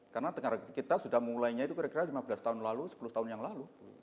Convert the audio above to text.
karena kita sudah mulainya itu kira kira lima belas tahun lalu sepuluh tahun yang lalu